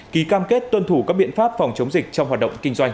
ký cam kết tuân thủ các biện pháp phòng chống dịch trong hoạt động kinh doanh